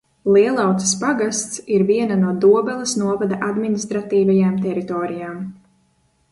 Lielauces pagasts ir viena no Dobeles novada administratīvajām teritorijām.